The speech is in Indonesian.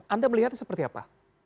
anda melihatnya seperti apa